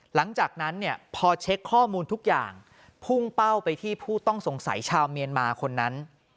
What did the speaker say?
หลังจากนั้นเนี่ยพอเช็คข้อมูลทุกอย่างพุ่งเป้าไปที่ผู้ต้องสงสัยชาวเมียนมาคนนั้น